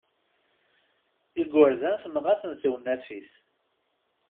Igerdan tenɣa-ten tewnafit.